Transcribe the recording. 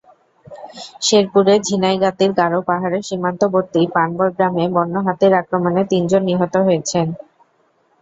শেরপুরের ঝিনাইগাতীর গারো পাহাড়ের সীমান্তবর্তী পানবর গ্রামে বন্য হাতির আক্রমণে তিনজন নিহত হয়েছেন।